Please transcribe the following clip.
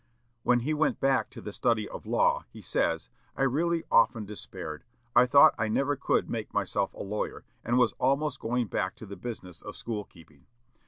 When he went back to the study of law, he says, "I really often despaired. I thought I never could make myself a lawyer, and was almost going back to the business of school keeping.